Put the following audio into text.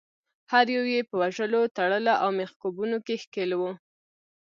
هر یو یې په وژلو، تړلو او میخکوبونو کې ښکیل وو.